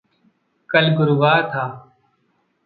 कल गुरुवार था।